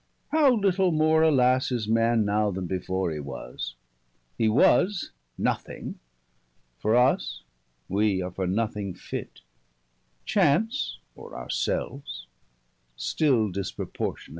How little more alas Is man now, then before he was? he was Nothing; for us, wee are for nothing fit; Chance, or our selves still disproportion it.